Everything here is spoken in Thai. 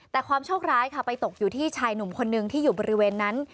แต่ความโชคร้ายค่ะไปตกอยู่ที่ชายหนุ่มคนนึงที่อยู่บริเวณนั้น